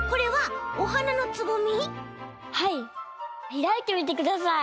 ひらいてみてください。